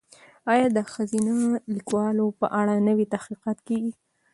ایا د ښځینه لیکوالو په اړه نوي تحقیقات کیږي؟